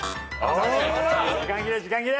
時間切れ時間切れ。